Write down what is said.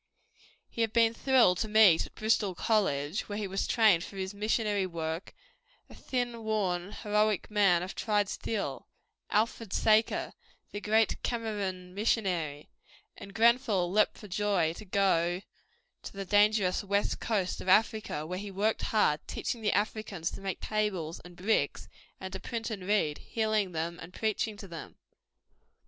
He had been thrilled to meet at Bristol College, where he was trained for his missionary work, a thin, worn, heroic man of tried steel, Alfred Saker, the great Kamerun missionary, and Grenfell leapt for joy to go out to the dangerous West Coast of Africa, where he worked hard, teaching the Africans to make tables and bricks and to print and read, healing them and preaching to them.